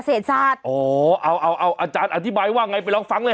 อ๋อเอาเอาเอาอาจารย์อธิบายว่าไงไปลองฟังเลย